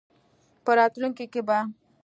په راتلونکې کې به